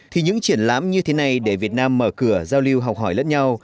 thì những triển lãm như thế này để việt nam mở cửa giao lưu học hỏi lẫn nhau